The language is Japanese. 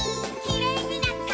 「きれいになったね」